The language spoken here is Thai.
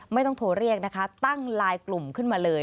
ไม่ต้องโทรเรียกนะคะตั้งไลน์กลุ่มขึ้นมาเลย